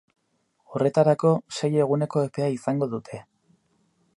Horretarako, sei eguneko epea izango dute.